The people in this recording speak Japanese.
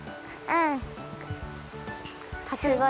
うん。